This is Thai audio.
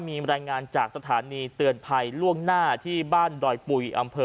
มีรายงานจากสถานีเตือนภัยล่วงหน้าที่บ้านดอยปุ๋ยอำเภอ